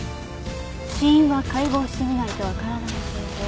死因は解剖してみないとわからないけど。